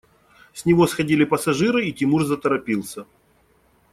С него сходили пассажиры, и Тимур заторопился.